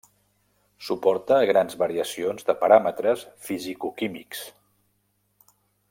Suporta grans variacions de paràmetres fisicoquímics.